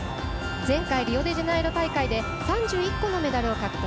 前回、リオデジャネイロ大会で３１個のメダルを獲得。